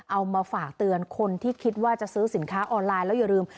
เอามาฝากเตือนคนที่คิดว่าจะซื้อสินค้าออนไลน์แล้วอย่าลืม